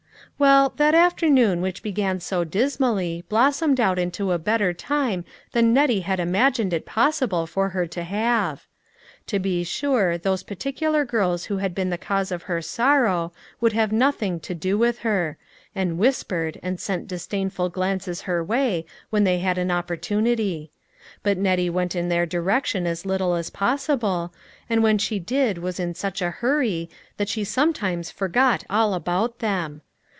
Well, that afternoon which began so dismally, blossomed out into a better time than Nettie had imagined it possible for her to have. To be sure those particular girls who had been the cause of her sorrow, would have nothing to do THE FLOWEB PARTY. 317 with her ; and whispered, and sent disdainful glances her way when they had an opportunity ; but Nettie went in thei redirection as little as possible, and when she did was in such a hurry that she sometimes forgot all about them.